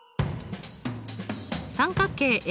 三角形